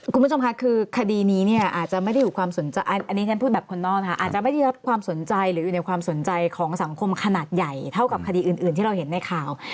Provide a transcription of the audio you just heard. คุณผู้ชมค่ะคือคดีนี้เนี่ยอาจจะไม่ได้อยู่ความสนใจอันนี้ฉันพูดแบบคนนอกค่ะอาจจะไม่ได้รับความสนใจหรืออยู่ในความสนใจของสังคมขนาดใหญ่เท่ากับคดีอื่นที่เราเห็นในข่าว